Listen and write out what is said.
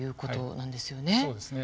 そうですね。